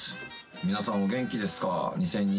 皆さんお元気ですか？